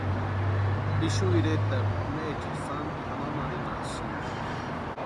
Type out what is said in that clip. ¿Ixu iretarhu neecha sáni janhanharhinhasïnki?